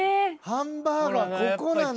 ハンバーガーここなんだ。